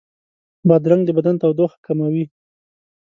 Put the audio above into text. بادرنګ د بدن تودوخه کموي.